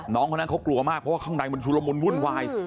คนนั้นเขากลัวมากเพราะว่าข้างในมันชุลมุนวุ่นวาย